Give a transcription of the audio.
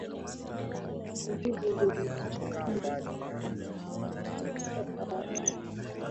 hurudi duniani kama mvua ya asidi